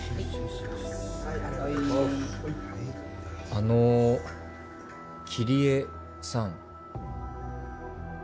あの桐江さん。